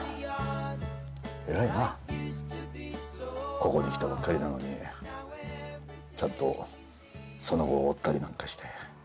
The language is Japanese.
ここに来たばっかりなのにちゃんとその後を追ったりなんかして。